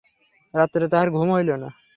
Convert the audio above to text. রাত্রে তাঁহার ঘুম হইল না।